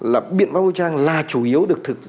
là biện pháp vũ trang là chủ yếu được